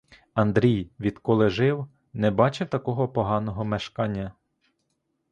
Андрій, відколи жив, не бачив такого поганого мешкання.